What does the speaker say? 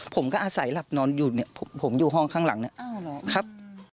ผมก็อาศัยหลับนอนอยู่ผมอยู่ห้องข้างหลังนะครับ